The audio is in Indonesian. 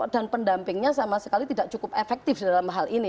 dan pendampingnya sama sekali tidak cukup efektif dalam hal ini